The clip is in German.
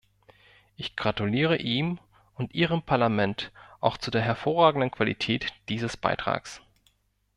Ich gratuliere ihm und Ihrem Parlament auch zu der hervorragenden Qualität dieses Beitrags.